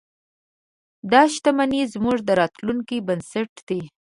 دا شتمنۍ زموږ د راتلونکي بنسټ دی.